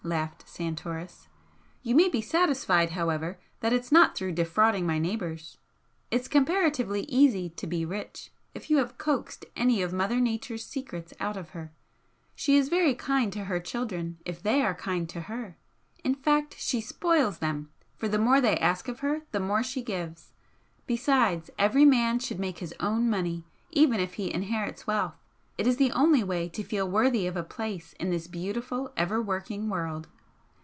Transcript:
laughed Santoris. "You may be satisfied, however, that it's not through defrauding my neighbours. It's comparatively easy to be rich if you have coaxed any of Mother Nature's secrets out of her. She is very kind to her children, if they are kind to her, in fact, she spoils them, for the more they ask of her the more she gives. Besides, every man should make his own money even if he inherits wealth, it is the only way to feel worthy of a place in this beautiful, ever working world."